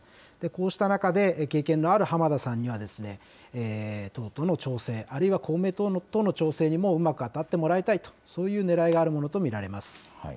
こうした中で、経験のある浜田さんには、党との調整、あるいは公明党の党の調整にもうまく当たってもらいたいと、そういうねらいがあるものと見られます。